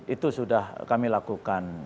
itu sudah kami lakukan